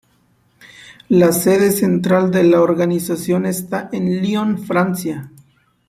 La sede central de la organización está en Lyon, Francia.